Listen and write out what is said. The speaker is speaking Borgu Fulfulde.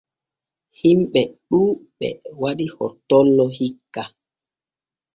Himɓe ɗuuɓɓe waɗi hottollo hikka.